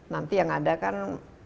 nanti yang ada kan